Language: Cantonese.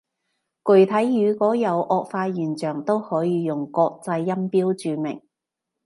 具體如果有顎化現象，都可以用國際音標注明